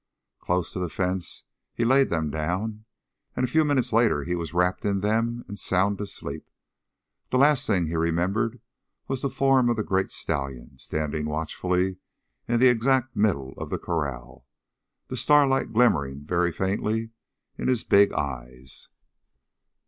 Close to the fence he laid them down, and a few minutes later he was wrapped in them and sound asleep. The last thing he remembered was the form of the great stallion, standing watchfully in the exact middle of the corral, the starlight glimmering very faintly in his big eyes.